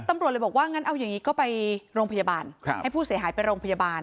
ตำรวจเลยบอกว่างั้นเอาอย่างนี้ก็ไปโรงพยาบาลให้ผู้เสียหายไปโรงพยาบาล